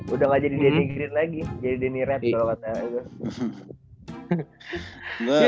udah gak jadi danny green lagi jadi danny red soalnya